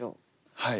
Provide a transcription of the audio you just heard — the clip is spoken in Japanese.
はい。